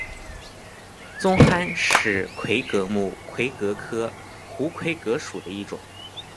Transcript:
棕蚶是魁蛤目魁蛤科胡魁蛤属的一种。